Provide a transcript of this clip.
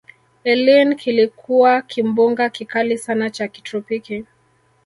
eline kilikuwa kimbunga kikali sana cha kitropiki